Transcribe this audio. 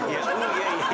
いやいや。